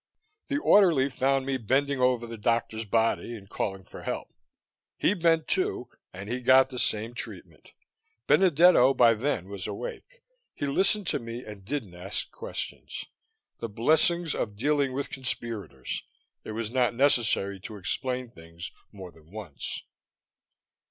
The orderly found me bending over the doctor's body and calling for help. He bent, too, and he got the same treatment. Benedetto by then was awake; he listened to me and didn't ask questions. The blessings of dealing with conspirators it was not necessary to explain things more than once.